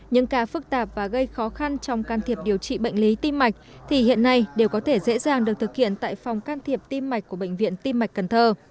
những ca phức tạp và gây khó khăn trong can thiệp điều trị bệnh lý tim mạch thì hiện nay đều có thể dễ dàng được thực hiện tại phòng can thiệp tim mạch của bệnh viện tim mạch cần thơ